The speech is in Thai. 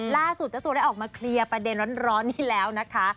ล่าสุดเจ้าตัวได้ออกมาเคลียร์ประเด็นร้อนนี้แล้วนะคะ